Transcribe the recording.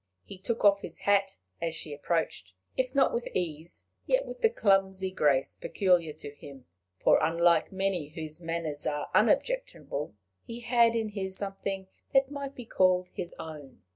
He took off his hat as she approached if not with ease, yet with the clumsy grace peculiar to him; for, unlike many whose manners are unobjectionable, he had in his something that might be called his own.